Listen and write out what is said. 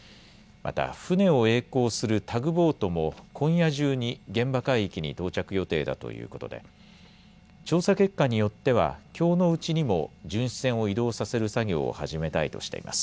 また船をえい航するタグボートも今夜中に現場海域に到着予定だということで調査結果によってはきょうのうちにも巡視船を移動させる作業を始めたいとしています。